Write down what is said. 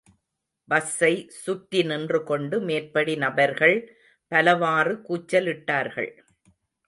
பஸ்ஸை சுற்றி நின்றுகொண்டு மேற்படி நபர்கள் பலவாறு கூச்சலிட்டார்கள்.